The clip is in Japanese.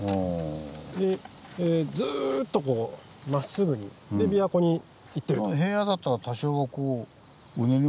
ずっとこうまっすぐにで琵琶湖に行ってると。